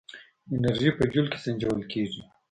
انرژي په جول کې سنجول کېږي.